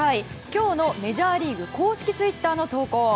今日のメジャーリーグ公式ツイッターの投稿。